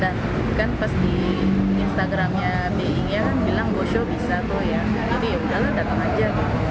dan kan pas di instagramnya bi nya kan bilang go show bisa tuh ya jadi yaudahlah datang aja